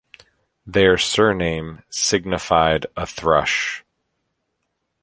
Their surname signified a thrush.